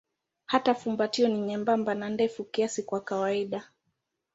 Hata fumbatio ni nyembamba na ndefu kiasi kwa kawaida.